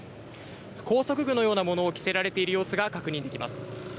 拘束具のようなものを着せられている様子が確認できます。